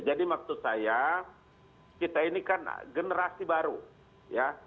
jadi maksud saya kita ini kan generasi baru ya